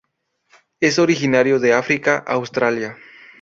Es originario de África, Australia.